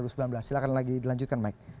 silahkan lagi dilanjutkan mike